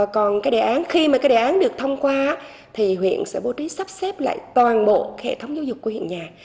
còn khi mà cái đề án được thông qua thì huyện sẽ bố trí sắp xếp lại toàn bộ hệ thống giáo dục của huyện nhà